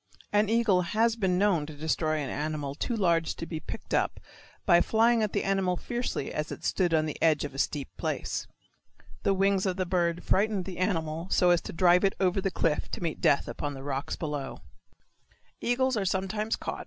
An eagle has been known to destroy an animal too large to be picked up by flying at the animal fiercely as it stood upon the edge of a steep place. The wings of the bird frightened the animal so as to drive it over the cliff to meet death upon the rocks below. (Continued on page 36.) NUTS. 1.